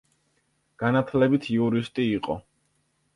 განათლებით იურისტი იყო.